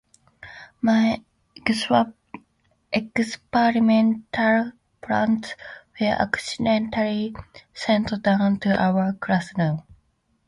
My experimental plants were accidentally sent down to our classroom.